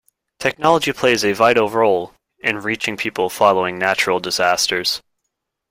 Technology plays a vital role in reaching people following natural disasters.